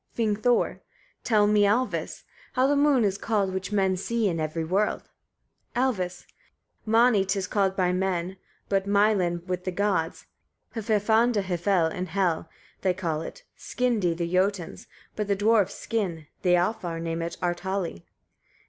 Vingthor. 14. Tell me, Alvis! etc., how the moon is called, which men see in every world. Alvis. 15. Mani 'tis called by men, but mylinn with the gods, hverfanda hvel in Hel they call it, skyndi the Jotuns, but the dwarfs skin; the Alfar name it artali.